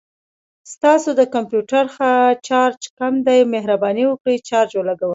ستاسو د کمپوټر چارج کم دی، مهرباني وکړه چارج ولګوه